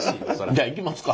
じゃあ行きますか。